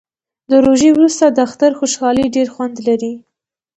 د روژې وروسته د اختر خوشحالي ډیر خوند لري